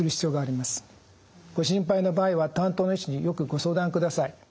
ご心配な場合は担当の医師によくご相談ください。